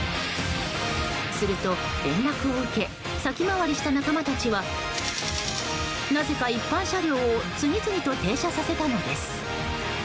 すると、連絡を受け先回りした仲間たちはなぜか一般車両を次々と停車させたのです。